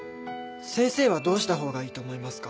先生はどうした方がいいと思いますか？